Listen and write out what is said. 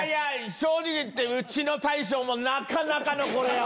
正直言ってうちの大将もなかなかのこれよ！